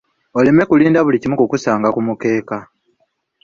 Oleme kulinda buli kimu kukusanga ku mukeeka.